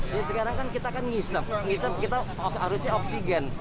ini sekarang kan kita kan ngisem kita harusnya oksigen